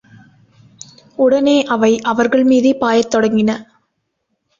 உடனே அவை அவர்கள்மீதே பாயத் தொடங்கின.